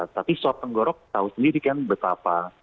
tapi swab tenggorok tahu sendiri kan betapa